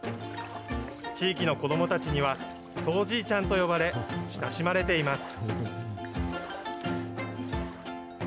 地域の子どもたちにはそうじいちゃんと呼ばれ、親しまれています。